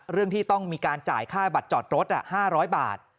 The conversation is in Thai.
เรื่องที่ต้องมีการจ่ายค่าบัตรจอดรถ๕๐๐บาท